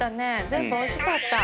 全部おいしかった？